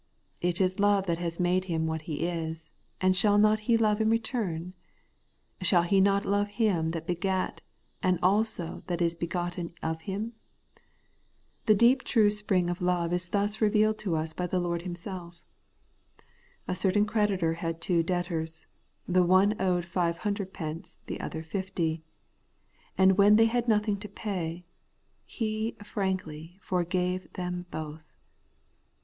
It is love that has made him what he is, and shall he not love in return ? Shall he not love Him that begat, and him also that is begotten of Him ? The deep true spring of love is thus revealed to us by the Lord Himself: 'A certain creditor had two debtors ; the one owed five hundred pence, the other fifty. And when they had nothing to pay, he FRANKLY FORGAVE THEM BOTH.